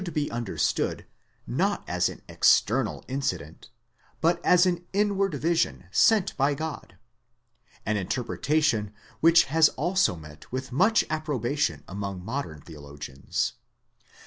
241 be understood, not as an external incident, but as an inward vision sent by God ; an interpretation which has also met with much approbation among modern theologians.